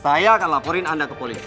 saya akan laporin anda ke polisi